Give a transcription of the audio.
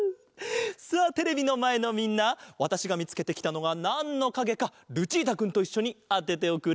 さあテレビのまえのみんなわたしがみつけてきたのがなんのかげかルチータくんといっしょにあてておくれ！